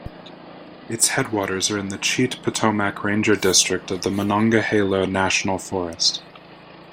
Its headwaters are in the Cheat-Potomac Ranger District of the Monongahela National Forest.